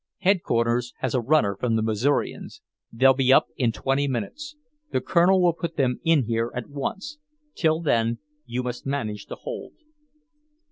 "Headquarters has a runner from the Missourians. They'll be up in twenty minutes. The Colonel will put them in here at once. Till then you must manage to hold."